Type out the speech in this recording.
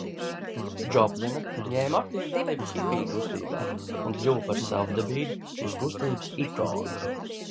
Džoplina ņēma aktīvu dalību hipiju kustībā un kļuva par savdabīgu šīs kustības ikonu.